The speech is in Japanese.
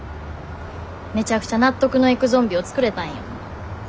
めちゃくちゃ納得のいくゾンビを作れたんよ。